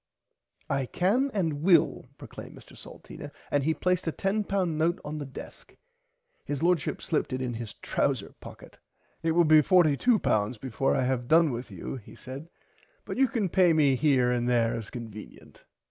I can and will proclaimed Mr Salteena and he placed a £10 note on the desk. His Lordship slipped it in his trouser pocket. It will be £42 before I have done with you he said but you can pay me here and there as convenient.